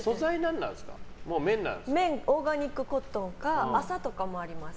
オーガニックコットンか麻とかもあります。